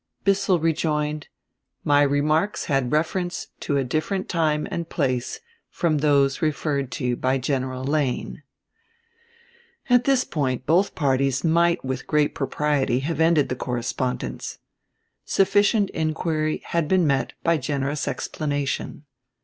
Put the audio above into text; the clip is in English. Bissell rejoined: "My remarks had reference to a different time and place from those referred to by General Lane." Pamphlet, Printed correspondence. At this point both parties might with great propriety have ended the correspondence. Sufficient inquiry had been met by generous explanation.